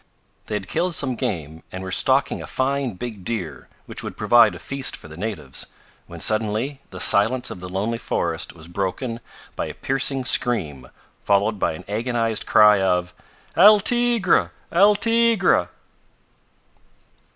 They had killed some game, and were stalking a fine big deer, which would provide a feast for the natives, when suddenly the silence of the lonely forest was broken by a piercing scream, followed by an agonized cry of "El tigre! El tigre!"